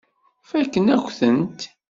Fakken-ak-tent.